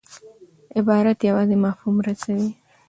عبارت یوازي مفهوم رسوي.